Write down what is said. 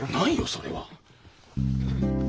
それは。